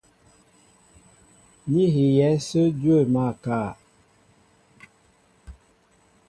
Ní hiyɛ̌ ásə̄ dwə̂ máál kâ.